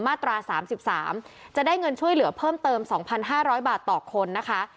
มาตราสามสิบสามจะได้เงินช่วยเหลือเพิ่มเติมสองพันห้าร้อยบาทต่อคนนะคะ